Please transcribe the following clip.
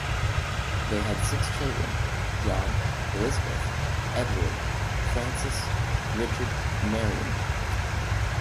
They had six children: John, Elizabeth, Edward, Frances, Richard and Marion.